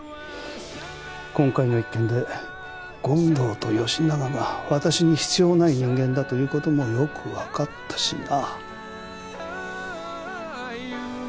今回の一件で権藤と吉永が私に必要ない人間だという事もよくわかったしな。